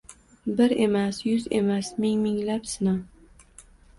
Bir emas, yuz emas, ming-minglab Sino!